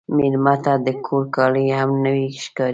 مېلمه ته د کور کالي هم نوی ښکاري.